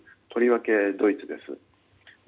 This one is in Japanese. とりわけ、ドイツです。